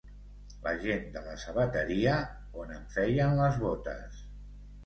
La gent de la sabateria on em feien les botes